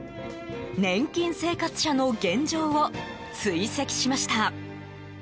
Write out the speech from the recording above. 年金生活者の現状を追跡しました。